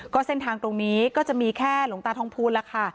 ก็เส้นทางตรงนี้ก็จะมีแค่หลวงตาทองภูลแล้วค่ะ